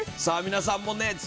さあ皆さんもね